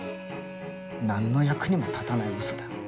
何の役にも立たないうそだ。